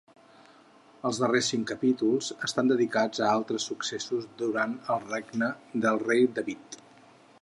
Els darrers cinc capítols estan dedicats a altres successos durant el regne del rei David.